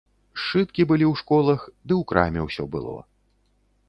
Сшыткі былі ў школах, ды ў краме ўсё было.